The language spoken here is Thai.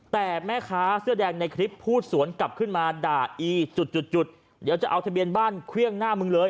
แต่แม่ค้าเสื้อแดงในคลิปพูดสวนกลับขึ้นมาด่าอีจุดจุดเดี๋ยวจะเอาทะเบียนบ้านเครื่องหน้ามึงเลย